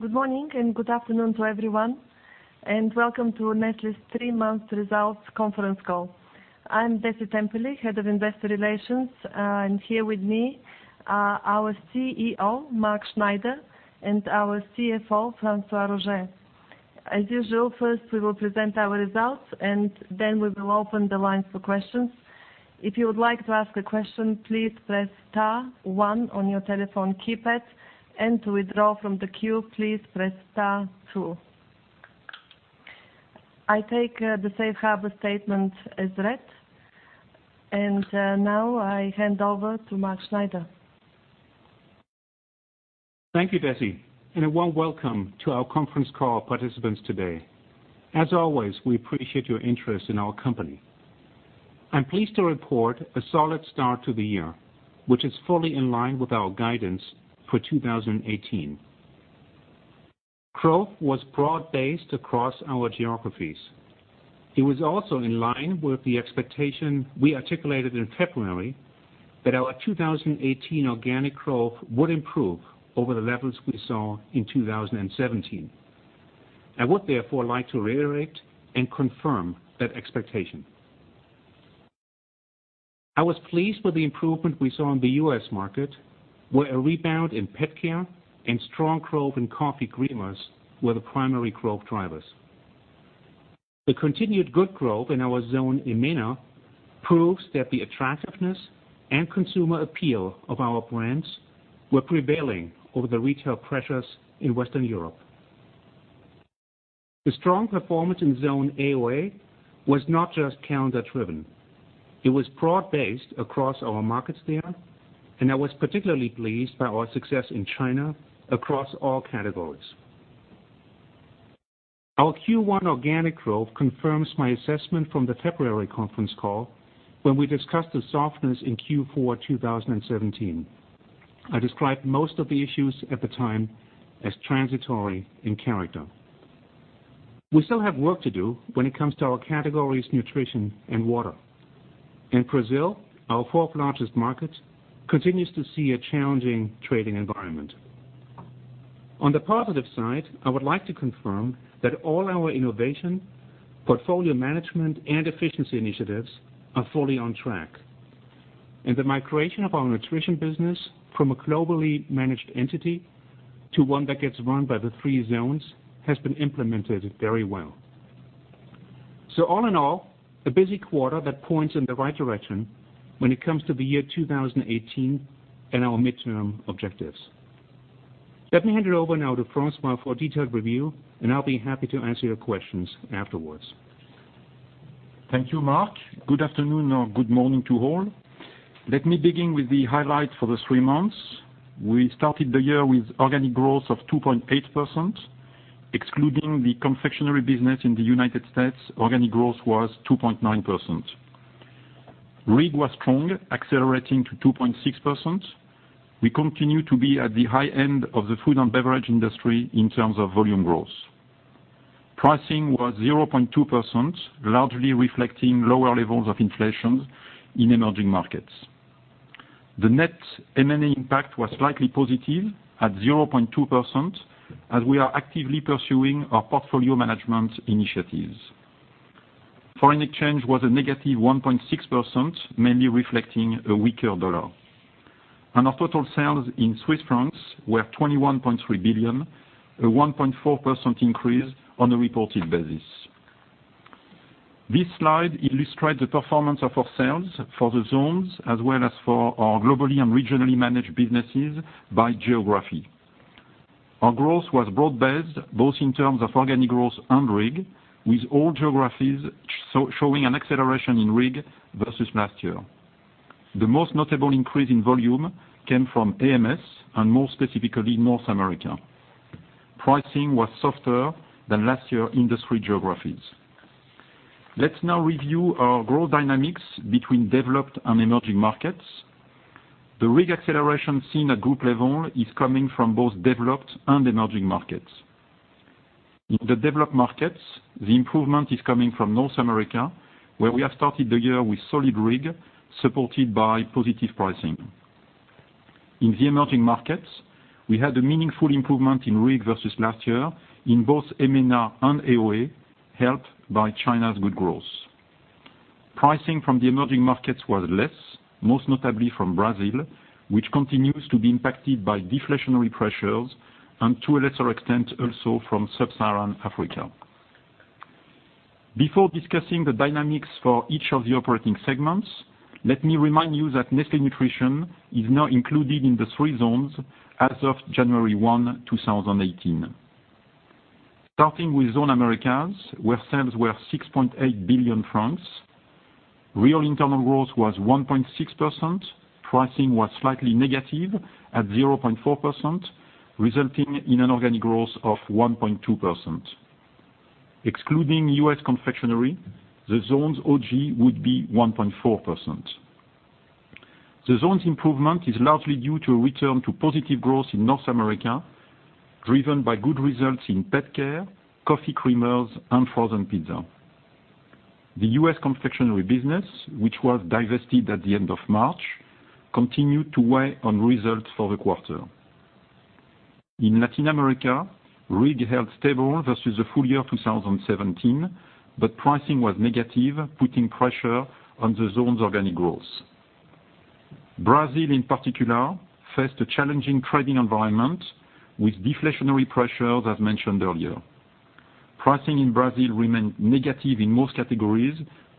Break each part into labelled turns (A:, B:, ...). A: Good morning and good afternoon to everyone, welcome to Nestlé's three-month results conference call. I'm Dessi Temperley, Head of Investor Relations, and here with me are our CEO, Mark Schneider, and our CFO, François-Xavier Roger. As usual, first we will present our results, and then we will open the lines for questions. If you would like to ask a question, please press star one on your telephone keypad, and to withdraw from the queue, please press star two. I take the safe harbor statement as read, and now I hand over to Mark Schneider.
B: Thank you, Dessi, and a warm welcome to our conference call participants today. As always, we appreciate your interest in our company. I'm pleased to report a solid start to the year, which is fully in line with our guidance for 2018. Growth was broad-based across our geographies. It was also in line with the expectation we articulated in February that our 2018 organic growth would improve over the levels we saw in 2017. I would therefore like to reiterate and confirm that expectation. I was pleased with the improvement we saw in the U.S. market, where a rebound in pet care and strong growth in coffee creamers were the primary growth drivers. The continued good growth in our zone, EMENA, proves that the attractiveness and consumer appeal of our brands were prevailing over the retail pressures in Western Europe. The strong performance in zone AOA was not just calendar driven. It was broad-based across our markets there, and I was particularly pleased by our success in China across all categories. Our Q1 organic growth confirms my assessment from the February conference call, when we discussed the softness in Q4 2017. I described most of the issues at the time as transitory in character. We still have work to do when it comes to our categories nutrition and water. In Brazil, our fourth largest market continues to see a challenging trading environment. On the positive side, I would like to confirm that all our innovation, portfolio management, and efficiency initiatives are fully on track, and the migration of our nutrition business from a globally managed entity to one that gets run by the three zones has been implemented very well. All in all, a busy quarter that points in the right direction when it comes to the year 2018 and our midterm objectives. Let me hand it over now to François for a detailed review, and I'll be happy to answer your questions afterwards.
C: Thank you, Mark. Good afternoon or good morning to all. Let me begin with the highlights for the three months. We started the year with organic growth of 2.8%, excluding the confectionery business in the U.S., organic growth was 2.9%. RIG was strong, accelerating to 2.6%. We continue to be at the high end of the food and beverage industry in terms of volume growth. Pricing was 0.2%, largely reflecting lower levels of inflation in emerging markets. The net M&A impact was slightly positive at 0.2% as we are actively pursuing our portfolio management initiatives. Foreign exchange was a negative 1.6%, mainly reflecting a weaker dollar. Our total sales in CHF were 21.3 billion, a 1.4% increase on a reported basis. This slide illustrates the performance of our sales for the zones, as well as for our globally and regionally managed businesses by geography. Our growth was broad-based both in terms of organic growth and RIG, with all geographies showing an acceleration in RIG versus last year. The most notable increase in volume came from AMS and more specifically North America. Pricing was softer than last year industry geographies. Let's now review our growth dynamics between developed and emerging markets. The RIG acceleration seen at group level is coming from both developed and emerging markets. In the developed markets, the improvement is coming from North America, where we have started the year with solid RIG, supported by positive pricing. In the emerging markets, we had a meaningful improvement in RIG versus last year in both EMENA and AOA, helped by China's good growth. Pricing from the emerging markets was less, most notably from Brazil, which continues to be impacted by deflationary pressures and to a lesser extent, also from sub-Saharan Africa. Before discussing the dynamics for each of the operating segments, let me remind you that Nestlé Nutrition is now included in the three zones as of January 1, 2018. Starting with Zone Americas, where sales were 6.8 billion francs, real internal growth was 1.6%. Pricing was slightly negative at 0.4%, resulting in an organic growth of 1.2%. Excluding U.S. confectionery, the zone's OG would be 1.4%. The zone's improvement is largely due to a return to positive growth in North America, driven by good results in pet care, coffee creamers, and frozen pizza. The U.S. confectionery business, which was divested at the end of March, continued to weigh on results for the quarter. In Latin America, RIG held stable versus the full year 2017, pricing was negative, putting pressure on the zone's organic growth. Brazil, in particular, faced a challenging trading environment with deflationary pressures, as mentioned earlier. Pricing in Brazil remained negative in most categories,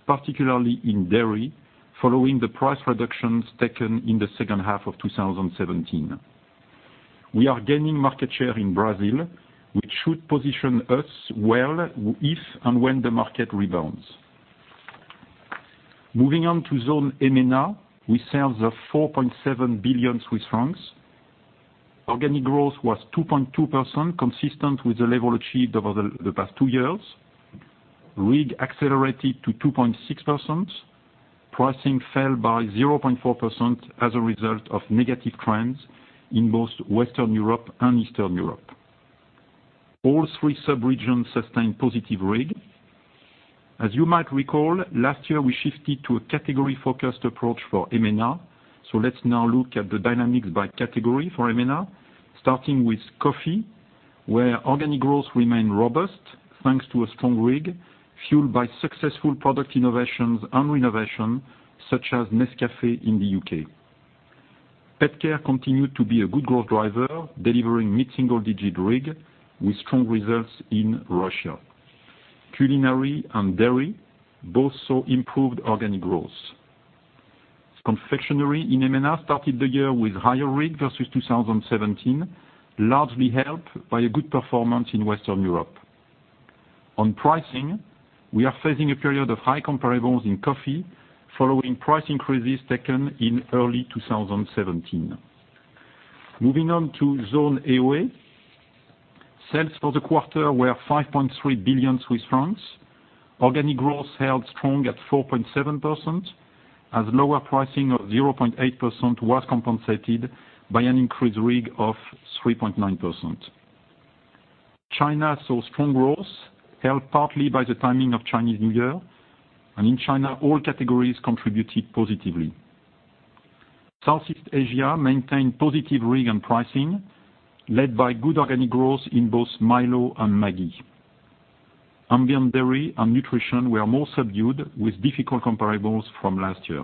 C: particularly in dairy, following the price reductions taken in the second half of 2017. We are gaining market share in Brazil, which should position us well if and when the market rebounds. Moving on to Zone EMENA, sales were CHF 4.7 billion. Organic growth was 2.2%, consistent with the level achieved over the past two years. RIG accelerated to 2.6%. Pricing fell by 0.4% as a result of negative trends in both Western Europe and Eastern Europe. All three subregions sustained positive RIG. As you might recall, last year, we shifted to a category-focused approach for EMENA. Let's now look at the dynamics by category for EMENA, starting with coffee, where organic growth remained robust thanks to a strong RIG fueled by successful product innovations and renovation, such as Nescafé in the U.K. Pet care continued to be a good growth driver, delivering mid-single-digit RIG with strong results in Russia. Culinary and dairy both saw improved organic growth. Confectionery in EMENA started the year with higher RIG versus 2017, largely helped by a good performance in Western Europe. On pricing, we are facing a period of high comparables in coffee following price increases taken in early 2017. Moving on to Zone AOA, sales for the quarter were 5.3 billion Swiss francs. Organic growth held strong at 4.7% as lower pricing of 0.8% was compensated by an increased RIG of 3.9%. China saw strong growth, helped partly by the timing of Chinese New Year. In China, all categories contributed positively. Southeast Asia maintained positive RIG and pricing, led by good organic growth in both Milo and Maggi. Ambient dairy and nutrition were more subdued, with difficult comparables from last year.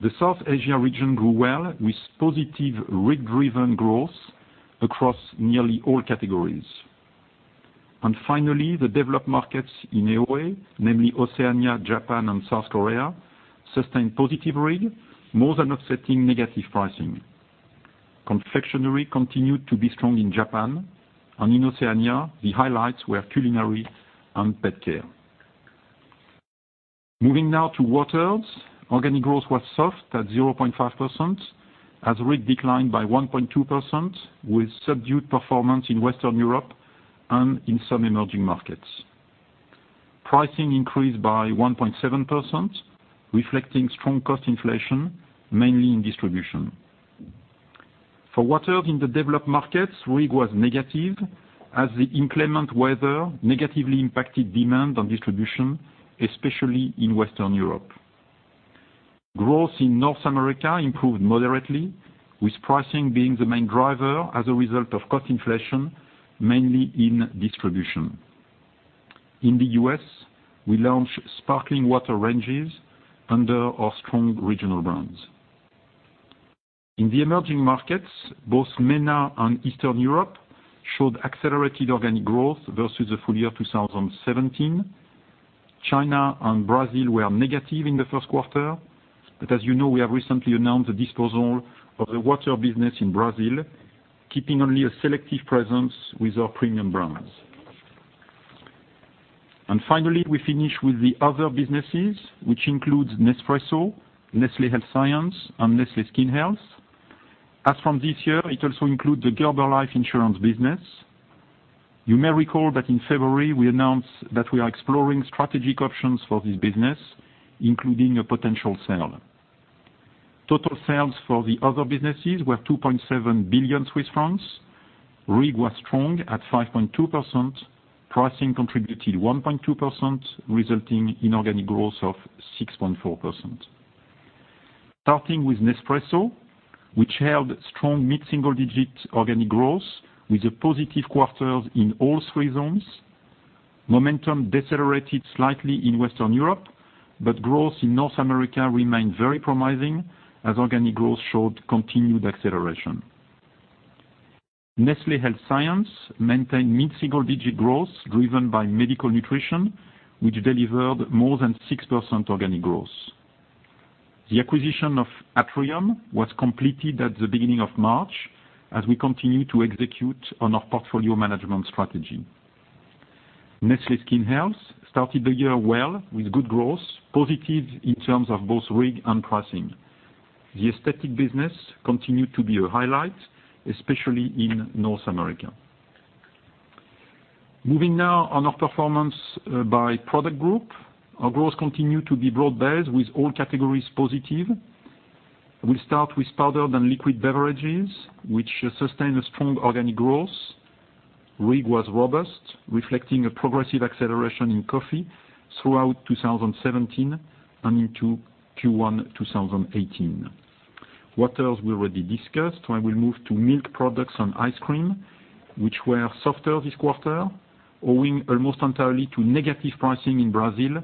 C: The South Asia region grew well with positive RIG-driven growth across nearly all categories. Finally, the developed markets in AOA, namely Oceania, Japan, and South Korea, sustained positive RIG, more than offsetting negative pricing. Confectionery continued to be strong in Japan, and in Oceania, the highlights were culinary and pet care. Moving now to Nestlé Waters, organic growth was soft at 0.5% as RIG declined by 1.2%, with subdued performance in Western Europe and in some emerging markets. Pricing increased by 1.7%, reflecting strong cost inflation, mainly in distribution. For Nestlé Waters in the developed markets, RIG was negative as the inclement weather negatively impacted demand on distribution, especially in Western Europe. Growth in North America improved moderately, with pricing being the main driver as a result of cost inflation, mainly in distribution. In the U.S., we launched sparkling water ranges under our strong regional brands. In the emerging markets, both MENA and Eastern Europe showed accelerated organic growth versus the full year 2017. China and Brazil were negative in the first quarter, but as you know, we have recently announced the disposal of the water business in Brazil, keeping only a selective presence with our premium brands. Finally, we finish with the other businesses, which includes Nespresso, Nestlé Health Science, and Nestlé Skin Health. As from this year, it also includes the Gerber Life Insurance business. You may recall that in February, we announced that we are exploring strategic options for this business, including a potential sale. Total sales for the other businesses were 2.7 billion Swiss francs. RIG was strong at 5.2%. Pricing contributed 1.2%, resulting in organic growth of 6.4%. Starting with Nespresso, which held strong mid-single-digit organic growth with a positive quarter in all three zones. Momentum decelerated slightly in Western Europe, but growth in North America remained very promising as organic growth showed continued acceleration. Nestlé Health Science maintained mid-single-digit growth driven by Medical Nutrition, which delivered more than 6% organic growth. The acquisition of Atrium was completed at the beginning of March as we continue to execute on our portfolio management strategy. Nestlé Skin Health started the year well with good growth, positive in terms of both RIG and pricing. The aesthetic business continued to be a highlight, especially in North America. Moving now on our performance by product group. Our growth continued to be broad-based with all categories positive. We start with powdered and liquid beverages, which sustain a strong organic growth. RIG was robust, reflecting a progressive acceleration in coffee throughout 2017 and into Q1 2018. Nestlé Waters, we already discussed. I will move to milk products and ice cream, which were softer this quarter, owing almost entirely to negative pricing in Brazil,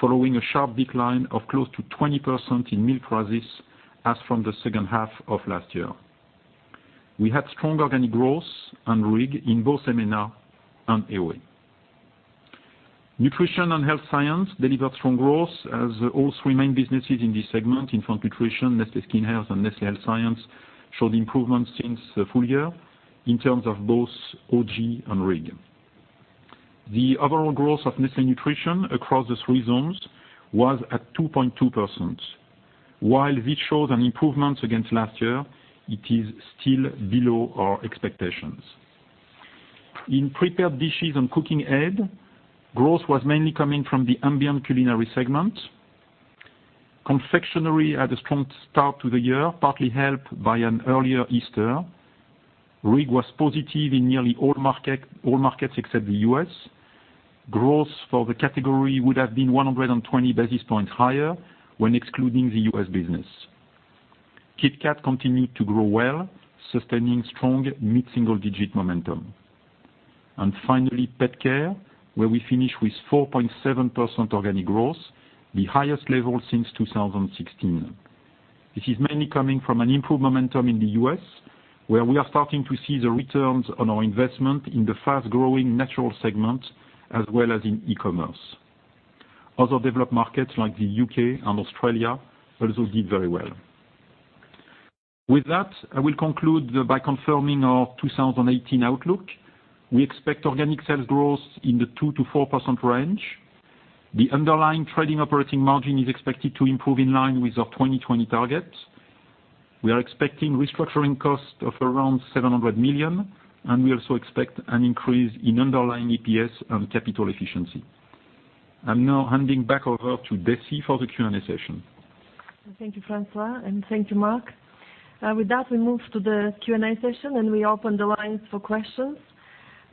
C: following a sharp decline of close to 20% in milk prices as from the second half of last year. We had strong organic growth and RIG in both EMENA and AOA. Nutrition and health science delivered strong growth as all three main businesses in this segment, infant nutrition, Nestlé Skin Health, and Nestlé Health Science, showed improvement since the full year in terms of both OG and RIG. The overall growth of Nestlé Nutrition across the three zones was at 2.2%. While this shows an improvement against last year, it is still below our expectations. In prepared dishes and cooking aid, growth was mainly coming from the ambient culinary segment. Confectionery had a strong start to the year, partly helped by an earlier Easter. RIG was positive in nearly all markets except the U.S. Growth for the category would have been 120 basis points higher when excluding the U.S. business. KitKat continued to grow well, sustaining strong mid-single-digit momentum. Finally, pet care, where we finish with 4.7% organic growth, the highest level since 2016. This is mainly coming from an improved momentum in the U.S., where we are starting to see the returns on our investment in the fast-growing natural segment as well as in e-commerce. Other developed markets, like the U.K. and Australia, also did very well. With that, I will conclude by confirming our 2018 outlook. We expect organic sales growth in the 2%-4% range. The underlying trading operating margin is expected to improve in line with our 2020 targets. We are expecting restructuring costs of around 700 million. We also expect an increase in underlying EPS and capital efficiency. I'm now handing back over to Dessi for the Q&A session.
A: Thank you, François, and thank you, Mark. With that, we move to the Q&A session, and we open the lines for questions.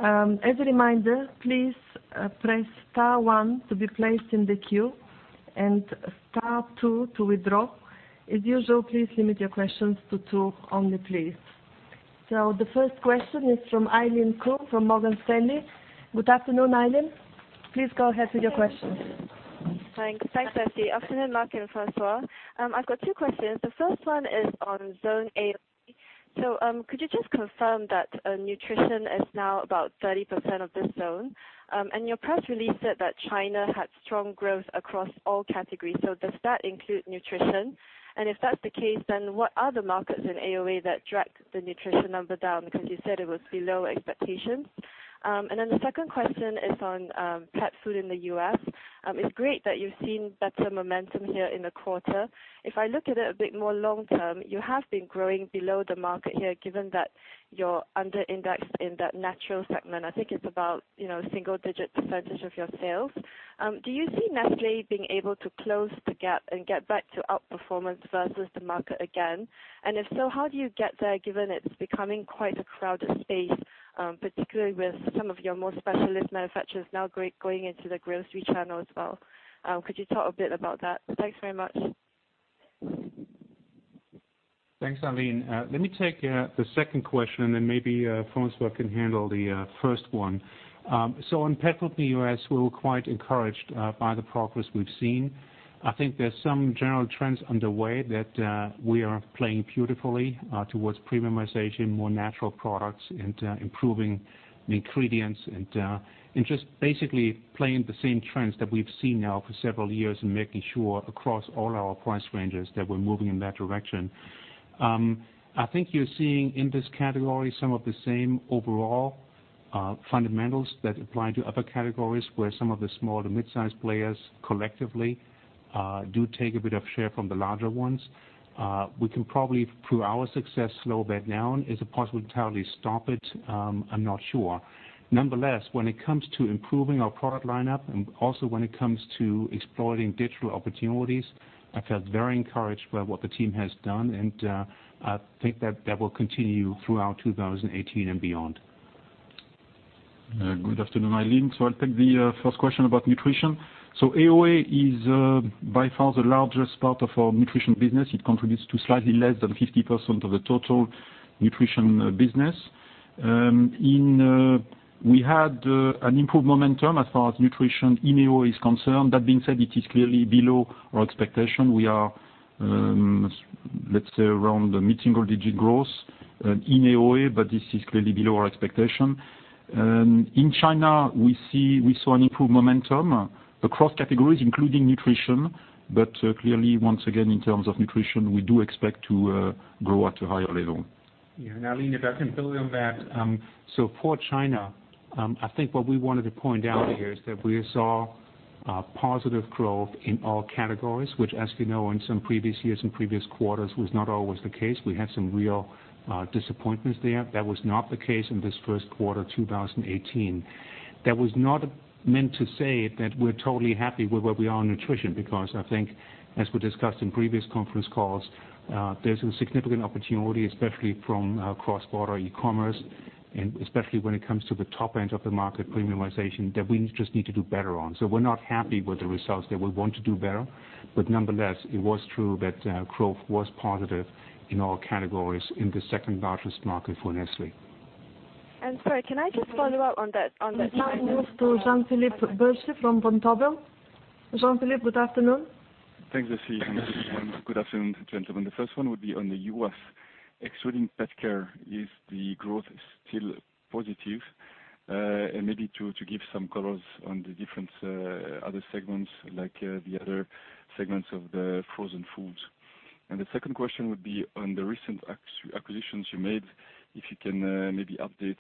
A: As a reminder, please press star one to be placed in the queue and star two to withdraw. As usual, please limit your questions to two only, please. The first question is from Eileen Khoo from Morgan Stanley. Good afternoon, Eileen. Please go ahead with your questions.
D: Thanks. Thanks, Dessi. Afternoon, Mark and François. I've got two questions. The first one is on zone A. Could you just confirm that nutrition is now about 30% of this zone? Your press release said that China had strong growth across all categories, does that include nutrition? If that's the case, what other markets in AOA that dragged the nutrition number down? You said it was below expectations. The second question is on pet food in the U.S. It's great that you've seen better momentum here in the quarter. If I look at it a bit more long-term, you have been growing below the market here, given that you're under indexed in that natural segment. I think it's about single-digit percentage of your sales. Do you see Nestlé being able to close the gap and get back to outperformance versus the market again? If so, how do you get there, given it's becoming quite a crowded space, particularly with some of your more specialist manufacturers now going into the grocery channel as well? Could you talk a bit about that? Thanks very much.
B: Thanks, Eileen. Let me take the second question, maybe François can handle the first one. On pet food U.S., we were quite encouraged by the progress we've seen. I think there's some general trends underway that we are playing beautifully towards premiumization, more natural products, and improving the ingredients, and just basically playing the same trends that we've seen now for several years and making sure across all our price ranges that we're moving in that direction. I think you're seeing in this category some of the same overall fundamentals that apply to other categories, where some of the small to mid-size players collectively do take a bit of share from the larger ones. We can probably, through our success, slow that down. Is it possible to entirely stop it? I'm not sure. Nonetheless, when it comes to improving our product lineup and also when it comes to exploiting digital opportunities, I felt very encouraged by what the team has done, and I think that that will continue throughout 2018 and beyond.
C: Good afternoon, Eileen. I'll take the first question about nutrition. AOA is by far the largest part of our nutrition business. It contributes to slightly less than 50% of the total nutrition business. We had an improved momentum as far as nutrition in AOA is concerned. That being said, it is clearly below our expectation. We are, let's say, around mid-single-digit growth in AOA, but this is clearly below our expectation. In China, we saw an improved momentum across categories, including nutrition. Clearly, once again, in terms of nutrition, we do expect to grow at a higher level.
B: Yeah. Eileen, if I can build on that. For China, I think what we wanted to point out here is that we saw positive growth in all categories, which as you know, in some previous years and previous quarters, was not always the case. We had some real disappointments there. That was not the case in this first quarter 2018. That was not meant to say that we're totally happy with where we are in nutrition, because I think, as we discussed in previous conference calls, there's a significant opportunity, especially from cross-border e-commerce, and especially when it comes to the top end of the market premiumization, that we just need to do better on. We're not happy with the results. That we want to do better, nonetheless, it was true that growth was positive in all categories in the second-largest market for Nestlé.
A: Sorry, can I just follow up on that. We now move to Jean-Philippe Bertschy from Vontobel. Jean-Philippe, good afternoon.
E: Thanks, Dessi, good afternoon, gentlemen. The first one would be on the U.S. Excluding pet care, is the growth still positive? Maybe to give some colors on the different other segments, like the other segments of the frozen foods. The second question would be on the recent acquisitions you made, if you can maybe update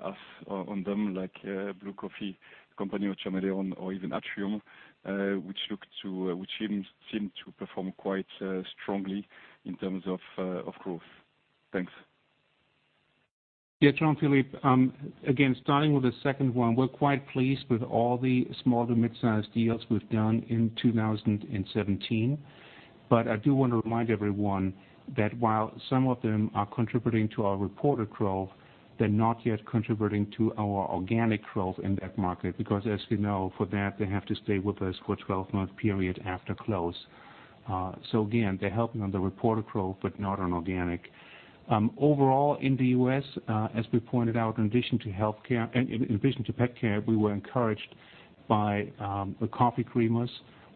E: us on them, like Blue Bottle Coffee or Chameleon Cold-Brew or even Atrium, which seem to perform quite strongly in terms of growth. Thanks.
B: Jean-Philippe. Starting with the second one, we're quite pleased with all the small to mid-sized deals we've done in 2017. I do want to remind everyone that while some of them are contributing to our reported growth, they're not yet contributing to our organic growth in that market, because as you know, for that, they have to stay with us for a 12-month period after close. Again, they're helping on the reported growth, but not on organic. Overall, in the U.S., as we pointed out, in addition to pet care, we were encouraged by the coffee creamers.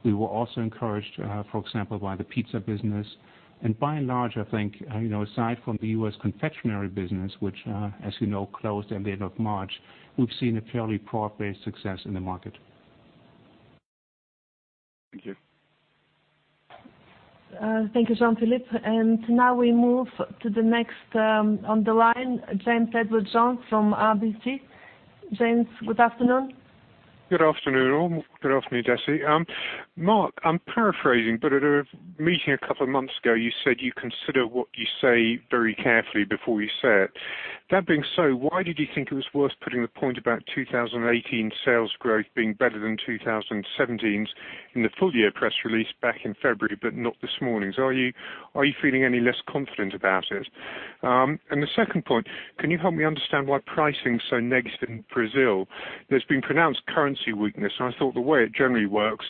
B: We were also encouraged, for example, by the pizza business. By and large, I think, aside from the U.S. confectionery business, which as you know, closed at the end of March, we've seen a fairly broad-based success in the market.
E: Thank you.
A: Thank you, Jean-Philippe. Now we move to the next on the line, James Edwardes Jones from RBC. James, good afternoon.
F: Good afternoon. Good afternoon, Dessi. Mark, I'm paraphrasing, but at a meeting a couple of months ago, you said you consider what you say very carefully before you say it. That being so, why did you think it was worth putting the point about 2018 sales growth being better than 2017's in the full-year press release back in February, but not this morning? Are you feeling any less confident about it? The second point, can you help me understand why pricing is so negative in Brazil? There's been pronounced currency weakness, and I thought the way it generally works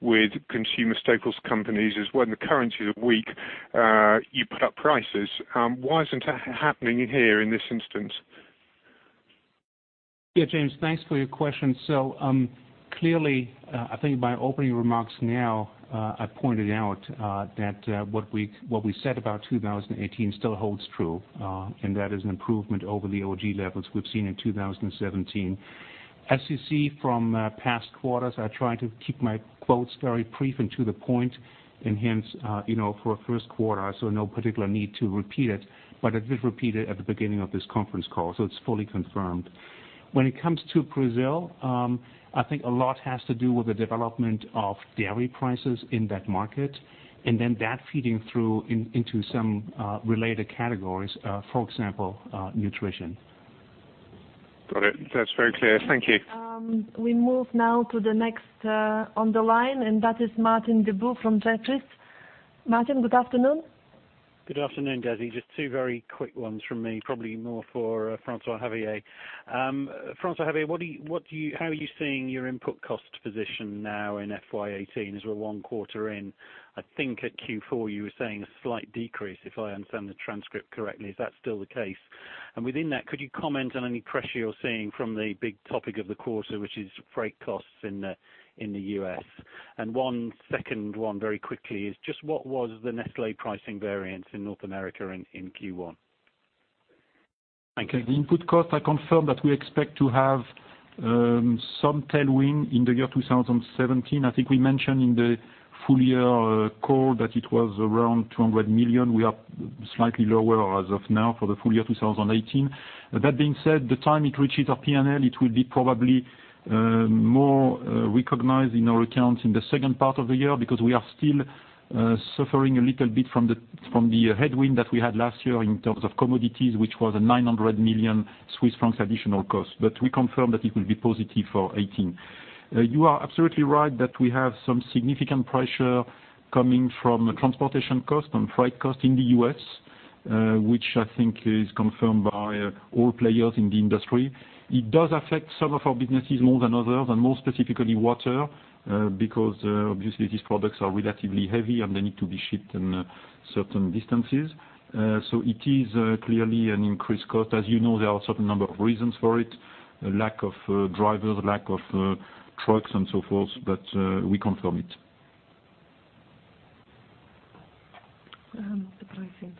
F: with consumer staples companies is when the currency is weak, you put up prices. Why isn't that happening here in this instance?
B: James, thanks for your question. Clearly, I think my opening remarks now, I pointed out that what we said about 2018 still holds true, and that is an improvement over the OG levels we've seen in 2017. As you see from past quarters, I try to keep my quotes very brief and to the point, hence, for a first quarter, I saw no particular need to repeat it, but I did repeat it at the beginning of this conference call, so it's fully confirmed. When it comes to Brazil, I think a lot has to do with the development of dairy prices in that market, then that feeding through into some related categories, for example, nutrition.
F: Got it. That's very clear. Thank you.
A: We move now to the next on the line, and that is Martin Deboo from Jefferies. Martin, good afternoon.
G: Good afternoon, Dessi. Just two very quick ones from me, probably more for François-Xavier. François-Xavier, how are you seeing your input cost position now in FY 2018 as we're one quarter in? I think at Q4 you were saying a slight decrease, if I understand the transcript correctly. Is that still the case? Within that, could you comment on any pressure you're seeing from the big topic of the quarter, which is freight costs in the U.S.? One second one very quickly is just what was the Nestlé pricing variance in North America in Q1?
A: Thank you.
C: I confirm that we expect to have some tailwind in 2017. I think we mentioned in the full year call that it was around 200 million. We are slightly lower as of now for 2018. That being said, the time it reaches our P&L, it will be probably more recognized in our accounts in the second part of the year because we are still suffering a little bit from the headwind that we had last year in terms of commodities, which was a 900 million Swiss francs additional cost. We confirm that it will be positive for 2018. You are absolutely right that we have some significant pressure coming from transportation cost and freight cost in the U.S., which I think is confirmed by all players in the industry. It does affect some of our businesses more than others, and more specifically water, because obviously these products are relatively heavy, and they need to be shipped in certain distances. It is clearly an increased cost. As you know, there are certain number of reasons for it, lack of drivers, lack of trucks and so forth, but we confirm it.
A: The pricing.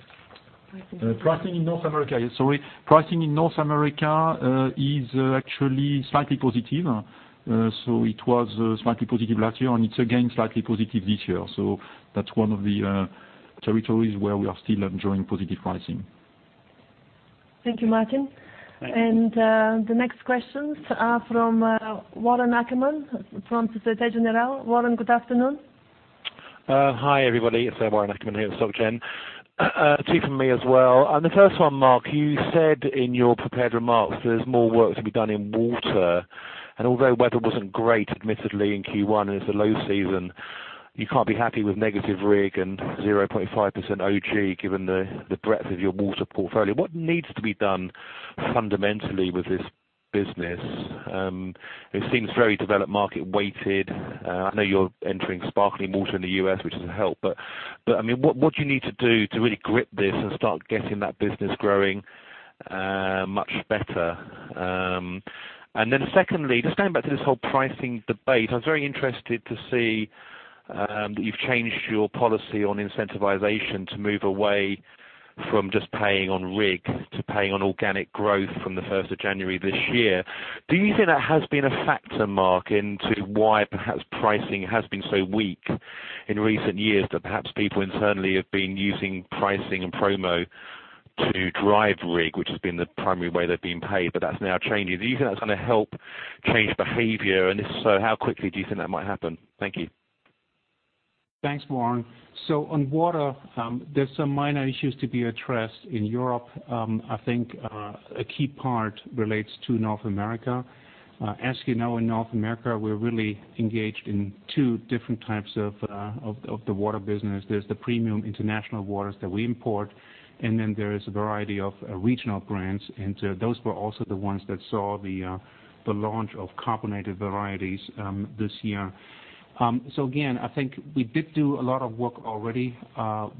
C: Pricing in North America. Yeah, sorry. Pricing in North America is actually slightly positive. It was slightly positive last year, and it's again slightly positive this year. That's one of the territories where we are still enjoying positive pricing.
A: Thank you, Martin.
G: Thank you.
A: The next questions are from Warren Ackerman from Société Générale. Warren, good afternoon.
H: Hi, everybody. It's Warren Ackerman here with SocGen. Two from me as well. The first one, Mark, you said in your prepared remarks there's more work to be done in water, and although weather wasn't great, admittedly, in Q1, and it's a low season, you can't be happy with negative RIG and 0.5% OG given the breadth of your water portfolio. What needs to be done fundamentally with this business? It seems very developed market weighted. I know you're entering sparkling water in the U.S., which doesn't help, but what do you need to do to really grip this and start getting that business growing much better? Secondly, just going back to this whole pricing debate, I was very interested to see that you've changed your policy on incentivization to move away from just paying on RIG to paying on organic growth from the 1st of January this year. Do you think that has been a factor, Mark, into why perhaps pricing has been so weak in recent years, that perhaps people internally have been using pricing and promo to drive RIG, which has been the primary way they've been paid, but that's now changing. Do you think that's going to help change behavior, and if so, how quickly do you think that might happen? Thank you.
B: Thanks, Warren. On water, there's some minor issues to be addressed in Europe. I think a key part relates to North America. As you know, in North America, we're really engaged in 2 different types of the water business. There's the premium international waters that we import, and then there is a variety of regional brands, and those were also the ones that saw the launch of carbonated varieties this year. Again, I think we did do a lot of work already.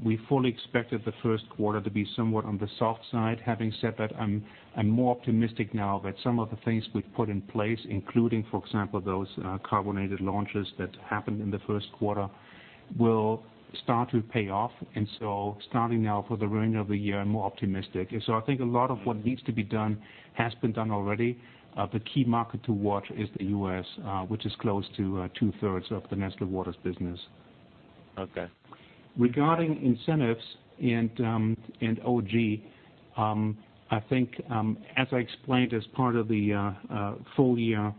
B: We fully expected the first quarter to be somewhat on the soft side. Having said that, I'm more optimistic now that some of the things we've put in place, including, for example, those carbonated launches that happened in the first quarter, will start to pay off. Starting now for the remainder of the year, I'm more optimistic. I think a lot of what needs to be done has been done already. The key market to watch is the U.S., which is close to two-thirds of the Nestlé Waters business.
H: Okay.
B: Regarding incentives and OG, I think, as I explained as part of the full year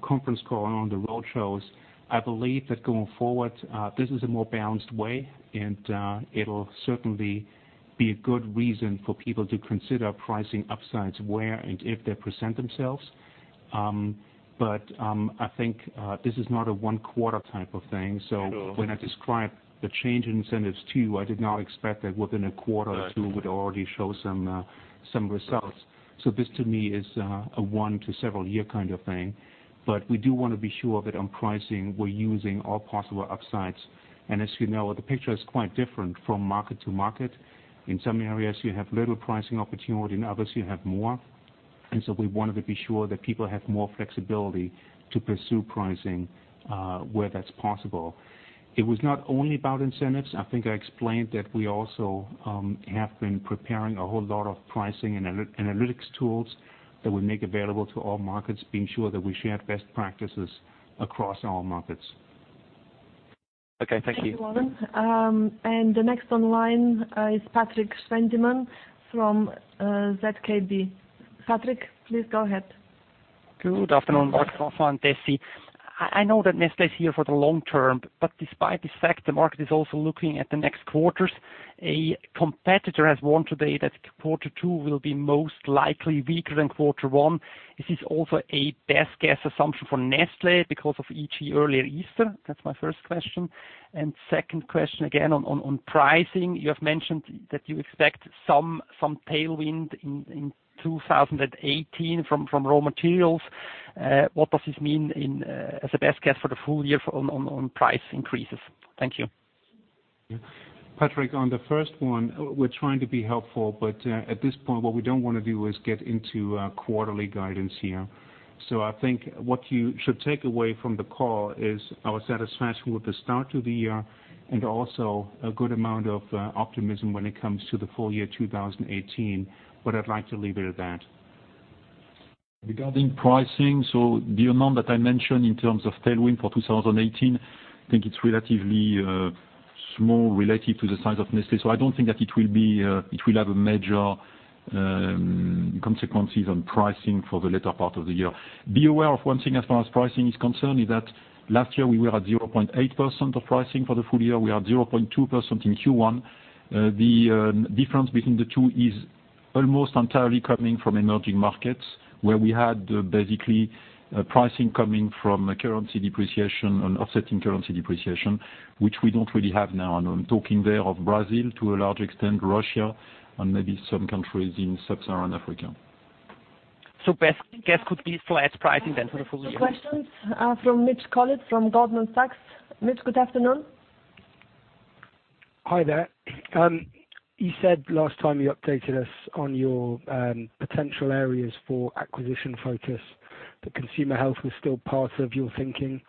B: conference call and on the road shows, I believe that going forward, this is a more balanced way and it will certainly be a good reason for people to consider pricing upsides where and if they present themselves. This is not a one-quarter type of thing.
H: Sure.
B: When I describe the change in incentives to you, I did not expect that within a quarter or two would already show some results. This to me is a one to several year kind of thing. We do want to be sure that on pricing, we are using all possible upsides. As you know, the picture is quite different from market to market. In some areas, you have little pricing opportunity, in others, you have more. We wanted to be sure that people have more flexibility to pursue pricing where that is possible. It was not only about incentives. I think I explained that we also have been preparing a whole lot of pricing and analytics tools that we make available to all markets, being sure that we share best practices across all markets.
H: Okay. Thank you.
A: Thank you, Warren. The next on line is Patrik Schwendimann from ZKB. Patrik, please go ahead.
I: Good afternoon, Mark, François-Xavier and Dessi. I know that Nestlé is here for the long term. Despite this fact, the market is also looking at the next quarters. A competitor has warned today that quarter two will be most likely weaker than quarter one. Is this also a best guess assumption for Nestlé because of e.g. earlier Easter? That's my first question. Second question again on pricing. You have mentioned that you expect some tailwind in 2018 from raw materials. What does this mean as a best guess for the full year on price increases? Thank you.
B: Patrik, on the first one, we're trying to be helpful. At this point, what we don't want to do is get into quarterly guidance here. I think what you should take away from the call is our satisfaction with the start to the year, and also a good amount of optimism when it comes to the full year 2018. I'd like to leave it at that.
C: Regarding pricing, the amount that I mentioned in terms of tailwind for 2018, I think it's relatively small relative to the size of Nestlé, so I don't think that it will have major consequences on pricing for the later part of the year. Be aware of one thing as far as pricing is concerned, is that last year we were at 0.8% of pricing for the full year. We are 0.2% in Q1. The difference between the two is almost entirely coming from emerging markets, where we had basically pricing coming from a currency depreciation and offsetting currency depreciation, which we don't really have now. I'm talking there of Brazil to a large extent, Russia, and maybe some countries in sub-Saharan Africa.
I: Best guess could be flat pricing then for the full year.
A: Next questions from Mitch Collett from Goldman Sachs. Mitch, good afternoon.
J: Hi there. You said last time you updated us on your potential areas for acquisition focus that consumer health was still part of your thinking.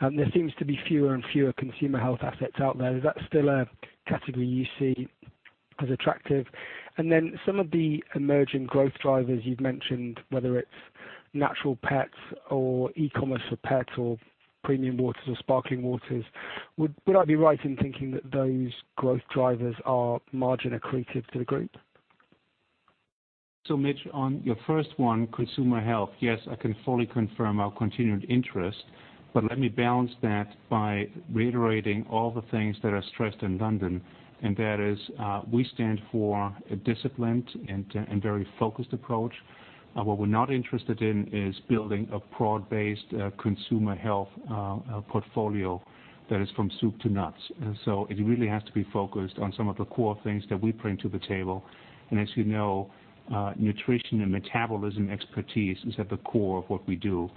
J: There seems to be fewer and fewer consumer health assets out there. Is that still a category you see as attractive? Some of the emerging growth drivers you've mentioned, whether it's natural pets or e-commerce for pets or premium waters or sparkling waters, would I be right in thinking that those growth drivers are margin accretive to the group?
B: Mitch, on your first one, consumer health, yes, I can fully confirm our continued interest, but let me balance that by reiterating all the things that are stressed in London, and that is, we stand for a disciplined and very focused approach. What we're not interested in is building a broad-based consumer health portfolio that is from soup to nuts. It really has to be focused on some of the core things that we bring to the table. As you know, nutrition and metabolism expertise is at the core of what we do.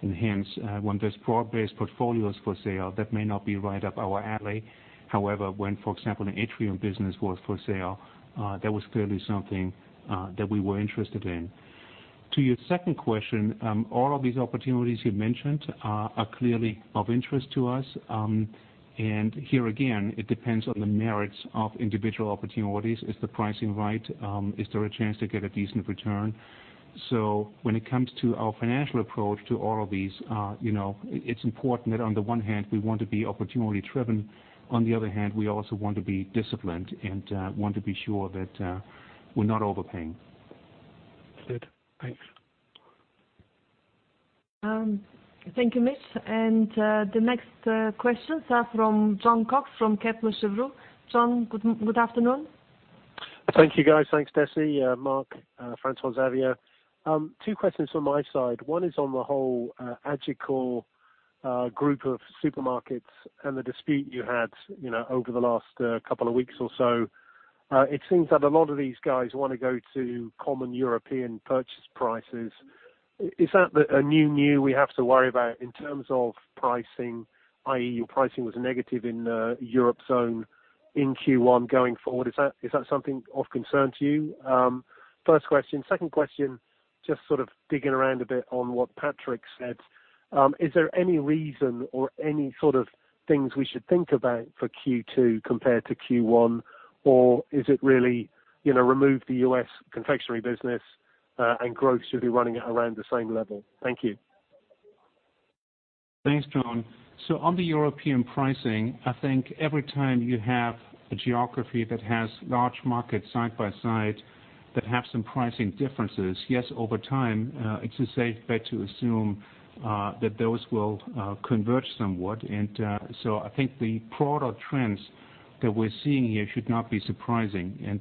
B: Hence, when there's broad-based portfolios for sale, that may not be right up our alley. However, when, for example, the Atrium business was for sale, that was clearly something that we were interested in. To your second question, all of these opportunities you mentioned are clearly of interest to us. Here again, it depends on the merits of individual opportunities. Is the pricing right? Is there a chance to get a decent return? When it comes to our financial approach to all of these, it's important that on the one hand, we want to be opportunity-driven. On the other hand, we also want to be disciplined and want to be sure that we're not overpaying.
J: Good. Thanks.
A: Thank you, Mitch. The next questions are from Jon Cox from Kepler Cheuvreux. Jon, good afternoon.
K: Thank you, guys. Thanks, Dessi, Mark, François-Xavier. Two questions from my side. One is on the whole AgeCore group of supermarkets and the dispute you had over the last couple of weeks or so. It seems that a lot of these guys want to go to common European purchase prices. Is that a new we have to worry about in terms of pricing, i.e., your pricing was negative in the Europe zone in Q1 going forward. Is that something of concern to you? First question. Second question, just sort of digging around a bit on what Patrik said. Is there any reason or any sort of things we should think about for Q2 compared to Q1? Is it really remove the U.S. confectionery business and gross should be running at around the same level? Thank you.
B: Thanks, Jon. On the European pricing, I think every time you have a geography that has large markets side by side that have some pricing differences, yes, over time, it's a safe bet to assume that those will converge somewhat. I think the broader trends that we're seeing here should not be surprising.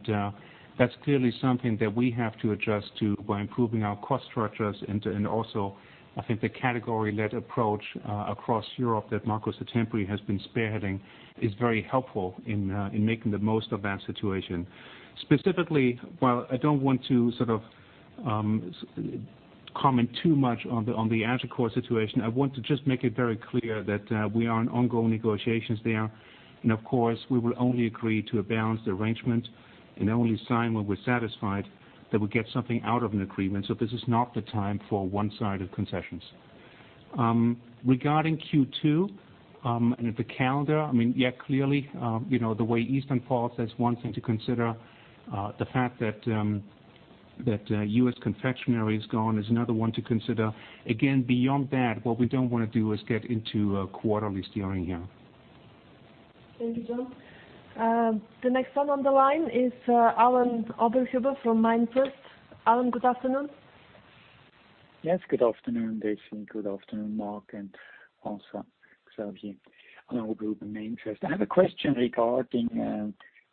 B: That's clearly something that we have to adjust to by improving our cost structures and also, I think the category-led approach across Europe that Marco Settembri has been spearheading is very helpful in making the most of that situation. Specifically, while I don't want to sort of comment too much on the AgeCore situation, I want to just make it very clear that we are in ongoing negotiations there. Of course, we will only agree to a balanced arrangement and only sign when we're satisfied that we get something out of an agreement. This is not the time for one-sided concessions. Regarding Q2, and the calendar, I mean, clearly the way Easter falls, that's one thing to consider. The fact that U.S. confectionery is gone is another one to consider. Beyond that, what we don't want to do is get into quarterly steering here.
A: Thank you, Jon. The next one on the line is Alain Oberhuber from MainFirst. Alain, good afternoon.
L: Yes, good afternoon, Dessi. Good afternoon, Mark and also Xavier. Alain Oberhuber, MainFirst. I have a question regarding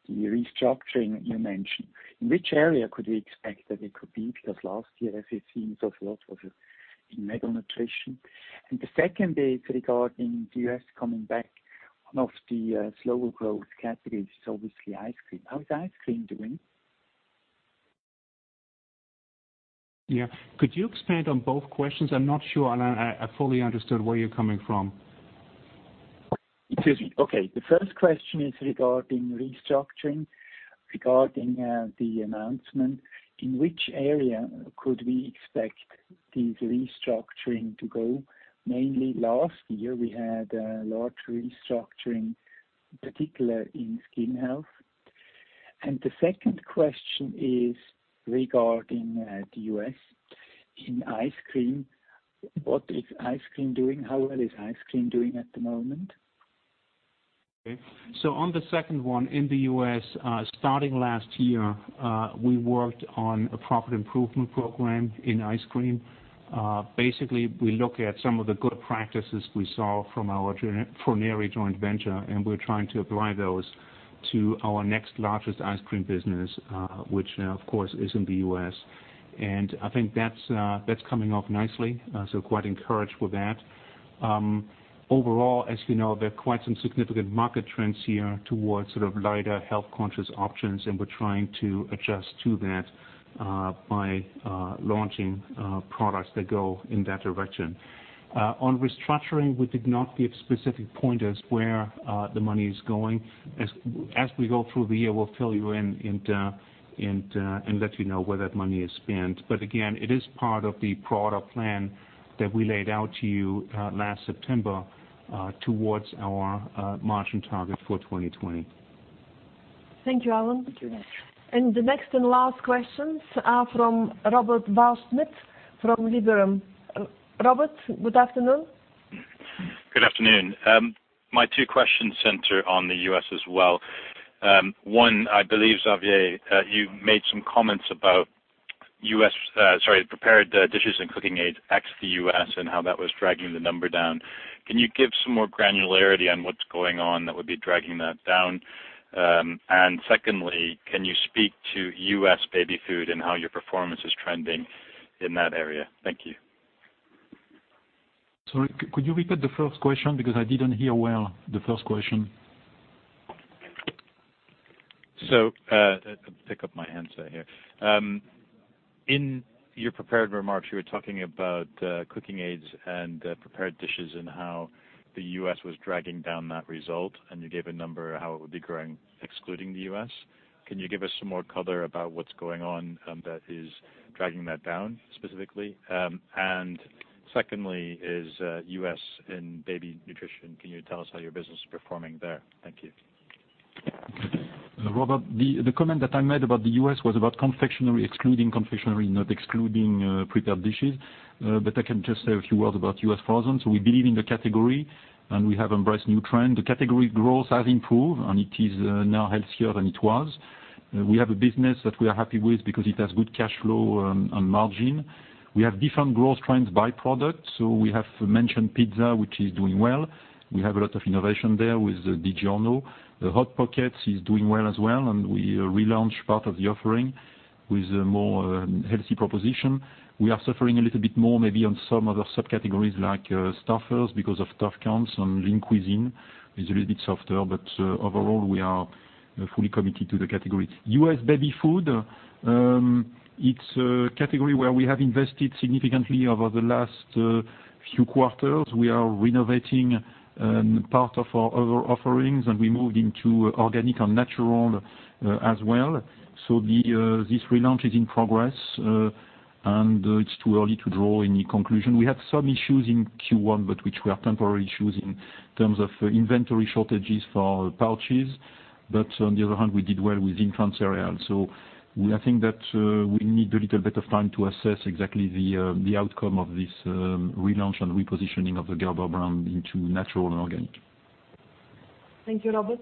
L: the restructuring you mentioned. In which area could we expect that it could be? Because last year, as it seems, there was a lot in Medical Nutrition. The second is regarding the U.S. coming back. One of the slower growth categories is obviously ice cream. How is ice cream doing?
B: Yeah. Could you expand on both questions? I'm not sure I fully understood where you're coming from.
L: Excuse me. Okay. The first question is regarding restructuring, regarding the announcement. In which area could we expect this restructuring to go? Mainly last year, we had a large restructuring, particularly in Skin Health. The second question is regarding the U.S. in ice cream. What is ice cream doing? How well is ice cream doing at the moment?
B: Okay. On the second one, in the U.S., starting last year, we worked on a profit improvement program in ice cream. Basically, we look at some of the good practices we saw from our Froneri joint venture, and we're trying to apply those to our next largest ice cream business, which, of course, is in the U.S. I think that's coming off nicely, so quite encouraged with that. Overall, as you know, there are quite some significant market trends here towards sort of lighter health-conscious options, and we're trying to adjust to that by launching products that go in that direction. On restructuring, we did not give specific pointers where the money is going. As we go through the year, we'll fill you in and let you know where that money is spent. Again, it is part of the broader plan that we laid out to you last September towards our margin target for 2020.
A: Thank you, Alain.
L: Thank you.
A: The next and last questions are from Robert Waldschmidt from Liberum. Robert, good afternoon.
M: Good afternoon. My two questions center on the U.S. as well. One, I believe, Xavier, you made some comments about prepared dishes and cooking aids ex the U.S. and how that was dragging the number down. Can you give some more granularity on what's going on that would be dragging that down? Secondly, can you speak to U.S. baby food and how your performance is trending in that area? Thank you.
C: Sorry, could you repeat the first question? Because I didn't hear well the first question.
M: Let me pick up my handset here. In your prepared remarks, you were talking about cooking aids and prepared dishes and how the U.S. was dragging down that result, and you gave a number how it would be growing excluding the U.S. Can you give us some more color about what's going on that is dragging that down specifically? Secondly, is U.S. and baby nutrition, can you tell us how your business is performing there? Thank you.
C: Robert, the comment that I made about the U.S. was about confectionery, excluding confectionery, not excluding prepared dishes. I can just say a few words about U.S. frozen. We believe in the category, and we have embraced new trend. The category growth has improved, and it is now healthier than it was. We have a business that we are happy with because it has good cash flow and margin. We have different growth trends by product. We have mentioned pizza, which is doing well. We have a lot of innovation there with DiGiorno. Hot Pockets is doing well as well, and we relaunched part of the offering with a more healthy proposition. We are suffering a little bit more maybe on some other subcategories like Stouffer's because of tough counts, and Lean Cuisine is a little bit softer. Overall, we are fully committed to the category. U.S. baby food, it's a category where we have invested significantly over the last few quarters. We are renovating part of our other offerings, and we moved into organic and natural as well. This relaunch is in progress, and it's too early to draw any conclusion. We had some issues in Q1, but which were temporary issues in terms of inventory shortages for pouches. On the other hand, we did well with infant cereal. I think that we need a little bit of time to assess exactly the outcome of this relaunch and repositioning of the Gerber brand into natural and organic.
A: Thank you, Robert.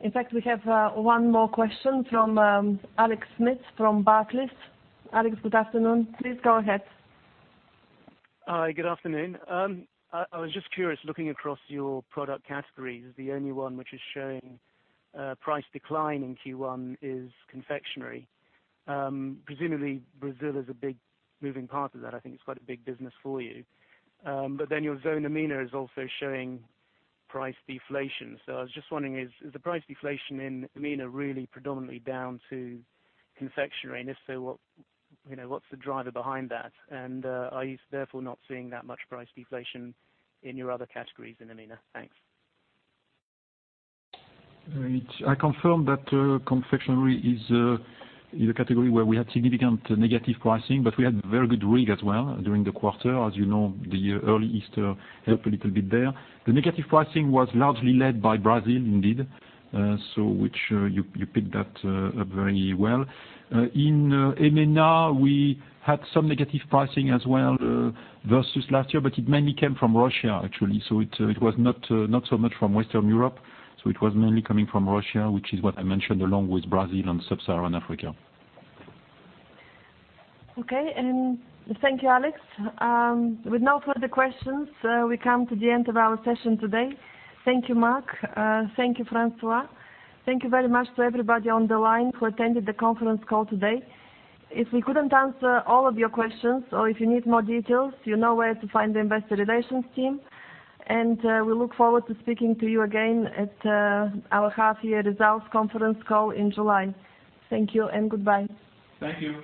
A: In fact, we have one more question from Alex Smith from Barclays. Alex, good afternoon. Please go ahead.
N: Hi, good afternoon. I was just curious, looking across your product categories, the only one which is showing price decline in Q1 is confectionery. Presumably, Brazil is a big moving part of that. I think it's quite a big business for you. Your Zone EMENA is also showing price deflation. I was just wondering, is the price deflation in EMENA really predominantly down to confectionery? If so, what's the driver behind that? Are you therefore not seeing that much price deflation in your other categories in EMENA? Thanks.
C: I confirm that confectionery is a category where we had significant negative pricing, but we had very good RIG as well during the quarter. As you know, the early Easter helped a little bit there. The negative pricing was largely led by Brazil indeed, which you picked that up very well. In EMENA, we had some negative pricing as well versus last year, it mainly came from Russia, actually. It was not so much from Western Europe. It was mainly coming from Russia, which is what I mentioned along with Brazil and sub-Saharan Africa.
A: Okay. Thank you, Alex. With no further questions, we come to the end of our session today. Thank you, Mark. Thank you, François. Thank you very much to everybody on the line who attended the conference call today. If we couldn't answer all of your questions or if you need more details, you know where to find the investor relations team. We look forward to speaking to you again at our half-year results conference call in July. Thank you and goodbye.
M: Thank you.
C: Thank you.